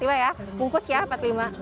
bungkus ya empat puluh lima